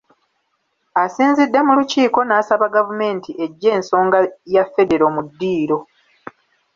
Asinzidde mu Lukiiko, n’asaba gavumenti eggye ensonga ya Ffedero mu ddiiro